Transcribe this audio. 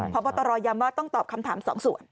เพราะว่าตรอยยัมวะต้องตอบคำถามสองส่วน